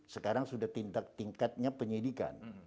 sekarang sudah tingkatnya penyedikan